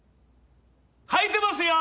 はいてますよ！